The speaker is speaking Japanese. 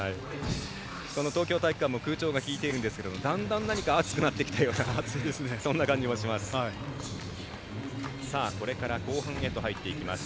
この東京体育館も空調が効いているんですがだんだん、暑くなってきたようなそんな感じもします。